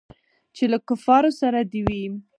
چې له کفارو سره دې وي.